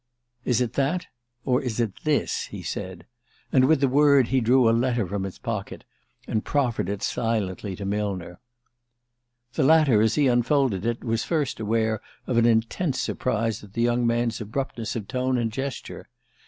"Is it that or is it this?" he said; and with the word he drew a letter from his pocket and proffered it silently to Millner. The latter, as he unfolded it, was first aware of an intense surprise at the young man's abruptness of tone and gesture.